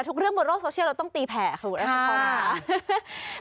ทุกเรื่องบนโลกโซเชียลเราต้องตีแผ่ค่ะบุรัสติธรรม